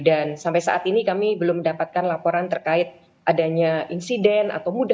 dan sampai saat ini kami belum mendapatkan laporan terkait adanya insiden